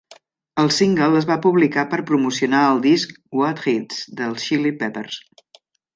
El single es va publicar per promocionar el disc What Hits!? dels Chili Peppers.